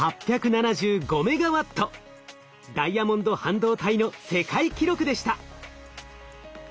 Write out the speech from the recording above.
ダイヤモンド半導体の世界記録でした。